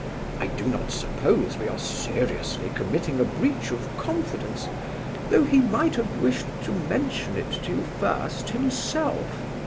I do not suppose we are seriously committing a breach of confidence, though he might have wished to mention it to you first himself.